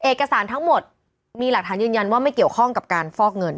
เอกสารทั้งหมดมีหลักฐานยืนยันว่าไม่เกี่ยวข้องกับการฟอกเงิน